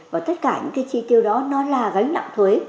và tất cả những cái chi tiêu đó nó là gánh nặng thuế